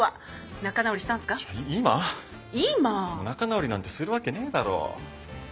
仲直りなんてするわけねえだろ。